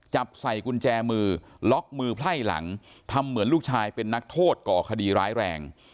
จับใส่กุญแจมือล็อกมือไพ่หลังทำเหมือนลูกชายเป็นนักโทษก่อคดีร้ายแรง